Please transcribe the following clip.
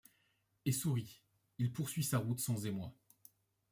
Et sourit. Il poursuit sa route sans émoi ;